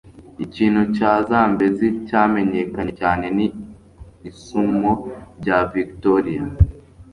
ikintu cya zambezi cyamenyekanye cyane ni isumo rya victoria